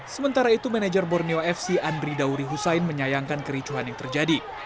sementara itu manajer borneo fc andri dauri hussein menyayangkan kericuhan yang terjadi